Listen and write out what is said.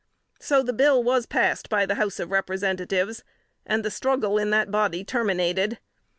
So the bill was passed by the House of Representatives, and the struggle in that body terminated.